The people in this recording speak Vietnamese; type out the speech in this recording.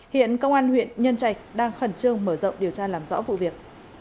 hiện công an huyện nhân trạch đang khẩn trương mở rộng điều tra làm rõ vụ việc